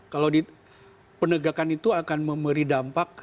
kalau penegakan itu akan memberi dampak